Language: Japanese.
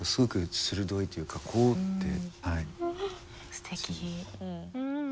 すてき。